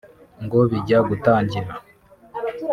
ngo bijya gutangira